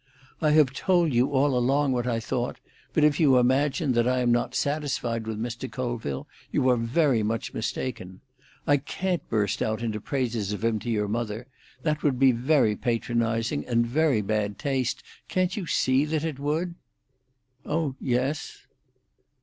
"I have told you all along what I thought, but if you imagine that I am not satisfied with Mr. Colville, you are very much mistaken. I can't burst out into praises of him to your mother: that would be very patronising and very bad taste. Can't you see that it would?" "Oh yes."